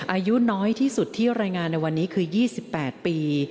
อายุน้อยที่สุดที่รายงานในวันนี้คือ๒๘ปี